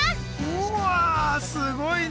うわすごいね！